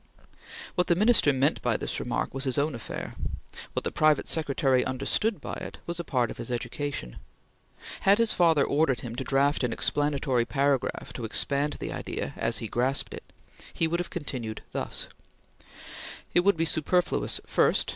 What the Minister meant by this remark was his own affair; what the private secretary understood by it, was a part of his education. Had his father ordered him to draft an explanatory paragraph to expand the idea as he grasped it, he would have continued thus: "It would be superfluous: 1st.